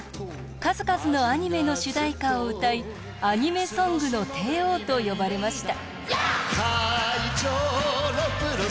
数々のアニメの主題歌を歌いアニメソングの帝王と呼ばれました。